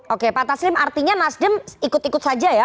oke pak taslim artinya nasdem ikut ikut saja ya